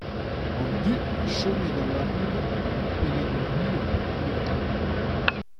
An dud a chome da labourat evit pennadoù hir pe hiroc'h.